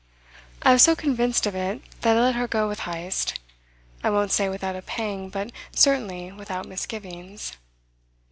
I was so convinced of it that I let her go with Heyst, I won't say without a pang but certainly without misgivings.